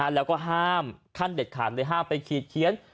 แล้วก็ห้ามขั้นเด็ดขาดเลยห้ามไปขีดเขียน